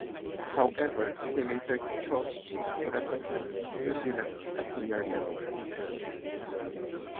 However, he later chose to represent New Zealand at senior level.